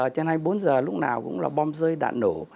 trên hai mươi bốn h lúc nào cũng là bom rơi đạn nổ